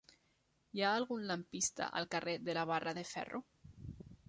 Hi ha algun lampista al carrer de la Barra de Ferro?